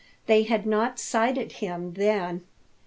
They had not sighted him, then.